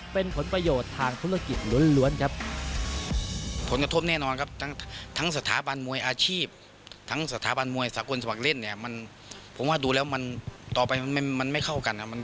เป็นผลประโยชน์ทางธุรกิจล้วนครับ